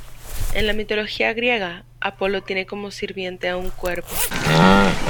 En la mitología griega, Apolo tiene como sirviente a un cuervo.